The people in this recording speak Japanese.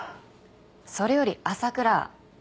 それより朝倉。